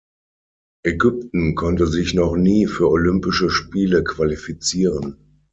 Ägypten konnte sich noch nie für Olympische Spiele qualifizieren.